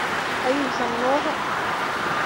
А іх жа многа.